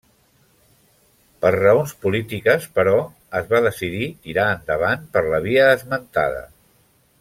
Per raons polítiques, però, es va decidir tirar endavant per la via esmentada.